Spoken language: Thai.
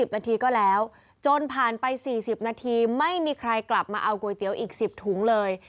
นาทีก็แล้วจนผ่านไป๔๐นาทีไม่มีใครกลับมาเอาก๋วยเตี๋ยวอีก๑๐ถุงเลย